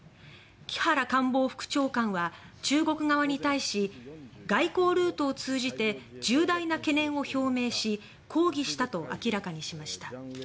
木原官房副長官は、中国側に対し「外交ルートを通じて重大な懸念を表明し抗議した」と明らかにしました。